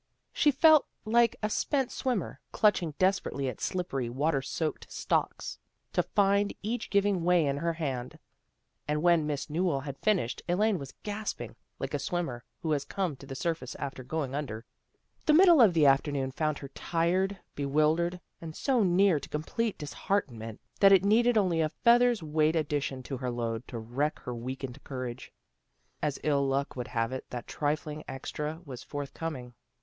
She felt like a spent swimmer, clutching desper ately at slippery, water soaked stalks, to find each giving way in her hand. And when Miss Newell had finished Elaine was gasping, like a swimmer who has come to the surface after going under. The middle of the afternoon found her tired, bewildered and so near to complete dishearten ment that it needed only a feather's weight addition to her load to wreck her weakened courage. As ill luck would have it, that trifling extra was forthcoming.